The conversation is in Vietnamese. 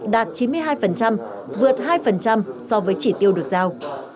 đạt chín mươi hai vượt hai so với chỉ tiêu được giao